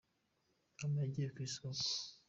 mama yagiye kwisoko.